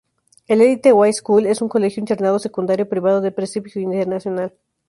El Elite Way School, es un colegio internado secundario privado de prestigio internacional.